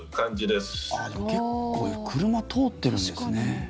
でも結構、車通ってるんですね。